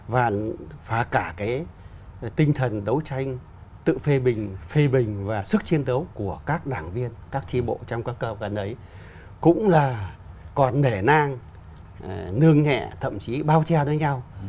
và cả cái tinh thần đấu tranh tự phê bình phê bình và sức chiến đấu của các đảng viên các tri bộ trong các cơ quan ấy cũng là còn nể nang nương nhẹ thậm chí bao che với nhau